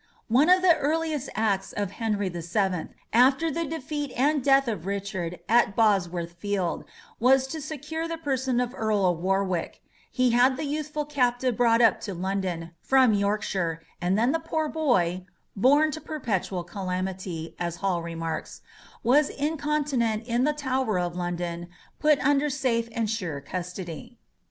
One of the earliest acts of Henry the Seventh, after the defeat and death of Richard at Bosworth Field, was to secure the person of the Earl of Warwick; he had the youthful captive brought up to London, from Yorkshire, and then the poor boy, "born to perpetual calamity," as Hall remarks, "was incontinent in the Tower of London put under safe and sure custody."